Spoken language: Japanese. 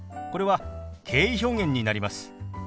これは敬意表現になります。